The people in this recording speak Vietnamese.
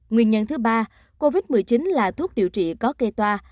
nguyên nhân thứ ba covid một mươi chín là thuốc điều trị có kê toa